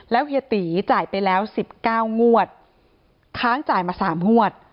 แล้วเฮียตีจ่ายไปแล้วสิบเก้างวดค้างจ่ายมาสามงวด